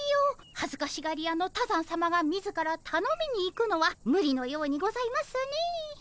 はずかしがり屋の多山さまが自らたのみに行くのはむりのようにございますね。